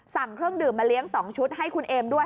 สั่งเครื่องดื่มมาเลี้ยง๒ชุดให้คุณเอมด้วย